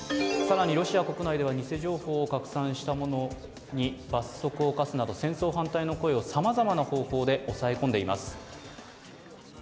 更にロシア国内では偽情報を拡散したものに罰則を科すなど戦争反対の声をさまざまな方法で抑え込んでいます。